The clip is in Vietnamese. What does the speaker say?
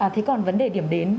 thế còn vấn đề điểm đến